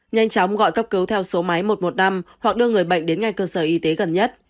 nhanh chóng gọi cấp cứu theo số máy một trăm một mươi năm hoặc đưa người bệnh đến ngay cơ sở y tế gần nhất